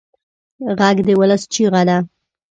غږ د ولس چیغه ده